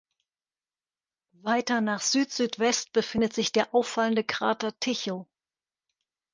Weiter nach Südsüdwest befindet sich der auffallende Krater Tycho.